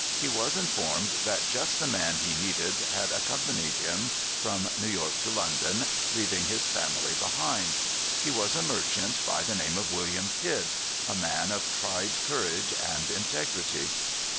He was informed that just the man he needed had accompanied him from New York to London, leaving his family behind. He was a merchant, by the name of William Kidd, a man of tried courage and integrity.